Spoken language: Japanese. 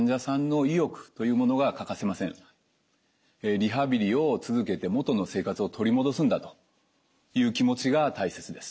リハビリを続けて元の生活を取り戻すんだという気持ちが大切です。